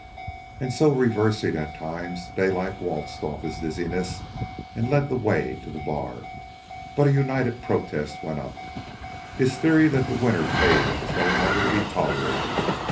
And so, reversing at times, Daylight waltzed off his dizziness and led the way to the bar. But a united protest went up. His theory that the winner paid was no longer to be tolerated.